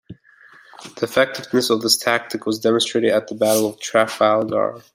The effectiveness of this tactic was demonstrated at the Battle of Trafalgar.